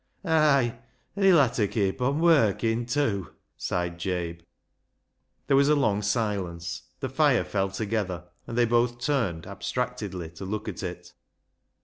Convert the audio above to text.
" Ay ; an' he'll ha' ta keep on workin' tew," sighed Jabe, There was a long silence. The fire fell together, and they both turned abstractedly to look at it.